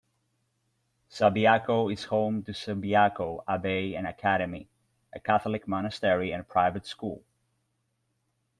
Subiaco is home to Subiaco Abbey and Academy, a Catholic monastery and private school.